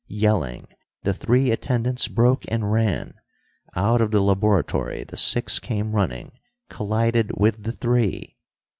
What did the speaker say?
Yelling, the three attendants broke and ran. Out of the laboratory the six came running, collided with the three.